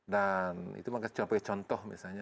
dan itu sebagai contoh